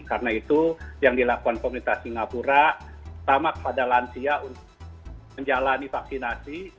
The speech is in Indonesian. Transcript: karena itu yang dilakukan pemerintah singapura sama kepada lansia untuk menjalani vaksinasi